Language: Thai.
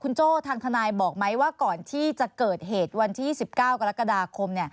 โจ้ทางทนายบอกไหมว่าก่อนที่จะเกิดเหตุวันที่๑๙กรกฎาคม